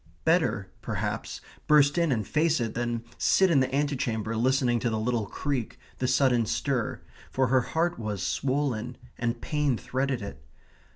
Better, perhaps, burst in and face it than sit in the antechamber listening to the little creak, the sudden stir, for her heart was swollen, and pain threaded it.